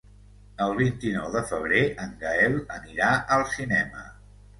El vint-i-nou de febrer en Gaël anirà al cinema.